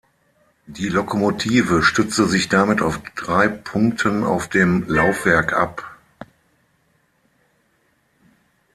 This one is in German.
Die Lokomotive stützte sich damit auf drei Punkten auf dem Laufwerk ab.